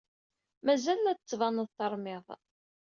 Mazal la d-tettbaned teṛmid.